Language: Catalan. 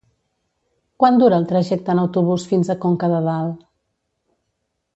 Quant dura el trajecte en autobús fins a Conca de Dalt?